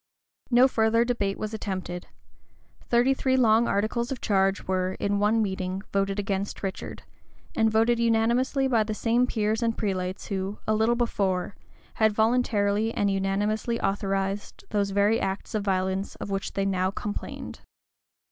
No further debate was attempted: thirty three long articles of charge were, in one meeting, voted against Richard; and voted unanimously by the same peers and prelates who, a little before, had voluntarily and unanimously authorized those very acts of violence of which they now complained.